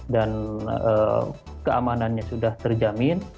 dan keamanannya sudah terjamin